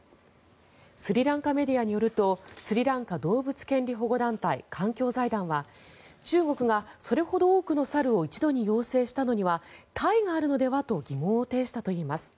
スリランカメディアによるとスリランカ動物権利保護団体環境財団は中国が、それほど多くの猿を一度に要請したのには他意があるのではと疑問を呈したといいます。